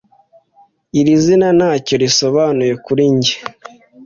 Iri zina ntacyo risobanuye kuri njye